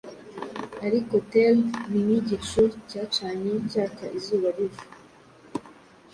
Ariko Thel ni nk'igicu cyacanye cyaka izuba riva